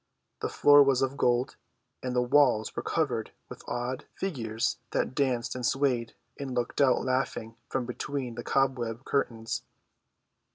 The floor was of gold, and the walls were covered with odd 50 THE CHILDREN'S WONDER BOOK. figures that danced and swayed, and looked out laughing from between the cobweb curtains.